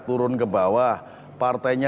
turun ke bawah partainya